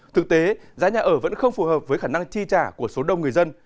thực tế giá nhà ở vẫn không phù hợp với khả năng chi trả của số đông người dân